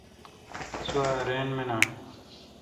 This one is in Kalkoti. سو راین مانین۔